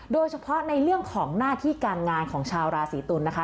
โดยเฉพาะในเรื่องของหน้าที่การงานของชาวราศีตุลนะคะ